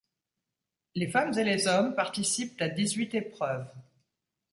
Les femmes et les hommes participent à dix-huit épreuves.